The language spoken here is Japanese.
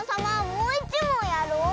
もういちもんやろう！